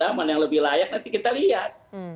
yang mana yang lebih layak nanti kita lihat